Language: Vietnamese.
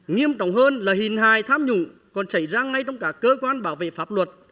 nghiêm trọng hơn là hình hài tham nhũng còn xảy ra ngay trong cả cơ quan bảo vệ pháp luật